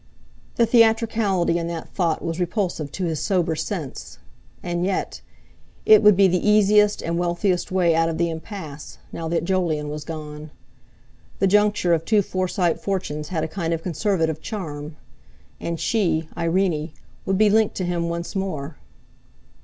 The theatricality in that thought was repulsive to his sober sense. And yet—it would be the easiest and wealthiest way out of the impasse, now that Jolyon was gone. The juncture of two Forsyte fortunes had a kind of conservative charm. And she—Irene would be linked to him once more.